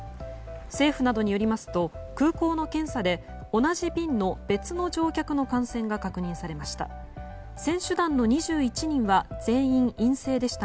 政府などによりますと空港の検査で同じ便の別の乗客の感染が確認されました。